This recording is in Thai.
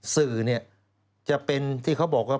สื่อเนี่ยจะเป็นที่เขาบอกว่า